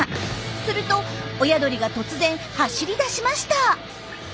すると親鳥が突然走りだしました。